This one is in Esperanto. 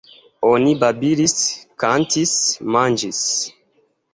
Oni babilis, kantis, manĝis.